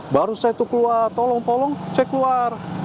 baru saya itu keluar tolong tolong cek keluar